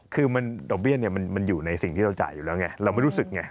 คือดอกเบี้ยเนี่ยมันอยู่ในสิ่งที่เราจ่ายอยู่แล้วไงเราไม่รู้สึกไง